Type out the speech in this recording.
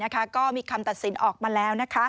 ก็มีคำตัดสินออกมาแล้ว